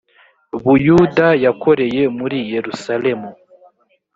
buyuda yakoreye muri yerusalemu